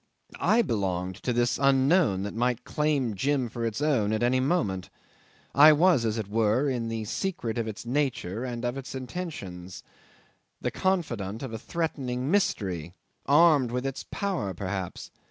I belonged to this Unknown that might claim Jim for its own at any moment. I was, as it were, in the secret of its nature and of its intentions the confidant of a threatening mystery armed with its power perhaps!